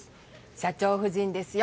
社長夫人ですよ